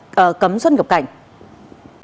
hãy đăng ký kênh để ủng hộ kênh của mình nhé